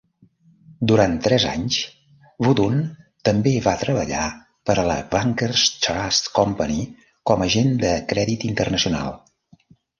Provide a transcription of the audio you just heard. Durant tres anys, WuDunn també va treballar per a la Bankers Trust Company com agent de crèdit internacional.